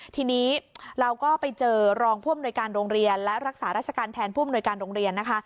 ทีนี้เราก็ไปเจอรองผู้อำนวยการโรงเรียนและรักษาราชการแทนผู้อำนวยการโรงเรียนนะคะ